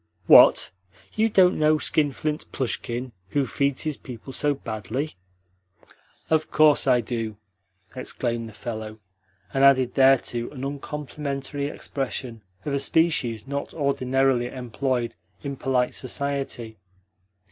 "What? You don't know skinflint Plushkin who feeds his people so badly?" "Of course I do!" exclaimed the fellow, and added thereto an uncomplimentary expression of a species not ordinarily employed in polite society.